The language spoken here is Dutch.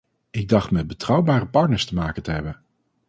Ik dacht met betrouwbare partners te maken te hebben.